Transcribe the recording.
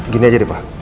gini aja deh pak